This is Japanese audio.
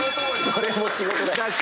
それも仕事だし。